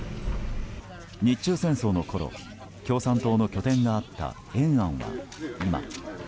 日中戦争のころ共産党の拠点があった、延安は今。